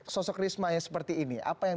sosok risma yang seperti ini apa yang